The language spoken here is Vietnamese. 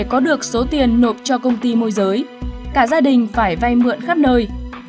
có được số tiền nộp cho công ty môi giới cả gia đình phải vay mượn khắp nơi